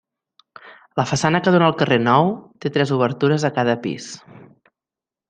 La façana que dóna al carrer Nou, té tres obertures a cada pis.